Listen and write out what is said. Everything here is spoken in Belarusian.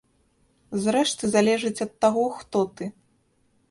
Зрэшты, залежыць ад таго, хто ты.